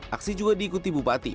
aksi juga diikuti bupati